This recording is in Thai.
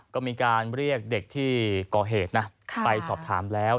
ก็มีการเรียกเด็กที่ก่อเหตุนะไปสอบถามแล้ว